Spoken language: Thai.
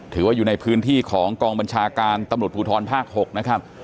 อยู่ในพื้นที่ของกองบัญชาการตำรวจภูทรภาค๖นะครับ